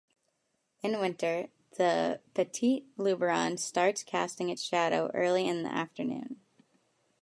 In winter, the Petit Luberon starts casting its shadow early in the afternoon.